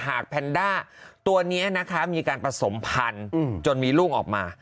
แพนด้าตัวนี้นะคะมีการผสมพันธุ์จนมีลูกออกมา